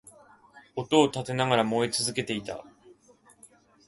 音を立てながら燃え続けていた